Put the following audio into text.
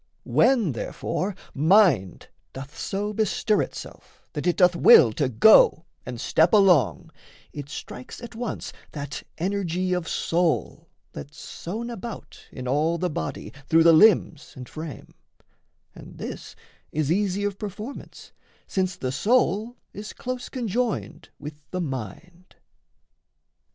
When, therefore, mind Doth so bestir itself that it doth will To go and step along, it strikes at once That energy of soul that's sown about In all the body through the limbs and frame And this is easy of performance, since The soul is close conjoined with the mind.